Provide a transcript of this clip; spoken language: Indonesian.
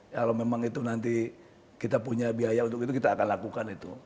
kalau memang itu nanti kita punya biaya untuk itu kita akan lakukan itu